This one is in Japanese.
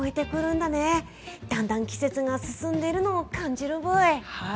だんだん季節が進んでいるのも感じるブイ。